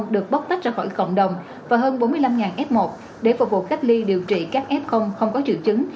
được bóc tách ra khỏi cộng đồng và hơn bốn mươi năm f một để phục vụ cách ly điều trị các f không có triệu chứng